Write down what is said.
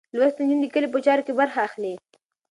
لوستې نجونې د کلي په چارو کې برخه اخلي.